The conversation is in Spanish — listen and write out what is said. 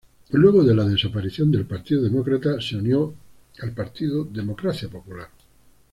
Luego de la desaparición del Partido Demócrata se unió al partido Democracia Popular.